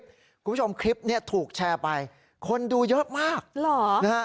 คุณผู้ชมคลิปเนี่ยถูกแชร์ไปคนดูเยอะมากหรอนะฮะ